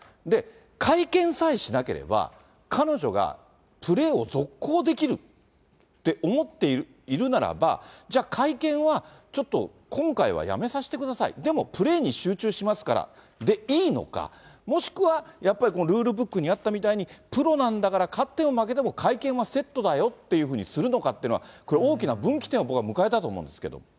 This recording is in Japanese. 会見さえしなければ、彼女がプレーを続行できるって思っているならば、じゃあ会見はちょっと、今回はやめさせてください、でもプレーに集中しますからでいいのか、もしくは、やっぱりルールブックにあったみたいに、プロなんだから、勝っても負けても会見はセットだよっていうふうにするのかっていうのは、これ、大きな分岐点を僕は迎えたと思うんですけど。